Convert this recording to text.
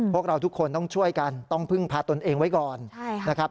พวกเราทุกคนต้องช่วยกันต้องพึ่งพาตนเองไว้ก่อนนะครับ